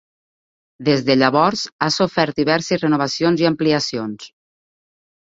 Des de llavors ha sofert diverses renovacions i ampliacions.